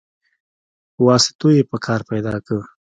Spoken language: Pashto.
په واسطو يې کار پيدا که.